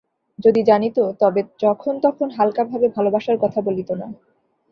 যদি জানিত, তবে যখন তখন হালকাভাবে ভালবাসার কথা বলিত না।